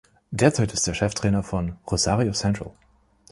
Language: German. Derzeit ist er Cheftrainer von Rosario Central.